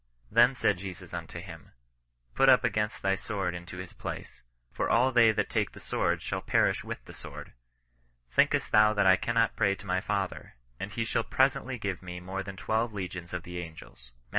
Then said Jesus unto him, put up again thy sword into his place : for all they that take the sword shall perish with the sword. Thinkest thou that I cannot now pray to my Father, and he shall presently give me more than twelve legions of angels." Matt.